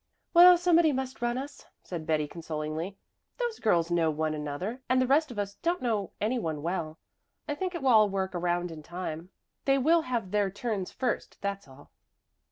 "Well, somebody must run us," said Betty consolingly. "Those girls know one another and the rest of us don't know any one well. I think it will all work around in time. They will have their turns first, that's all."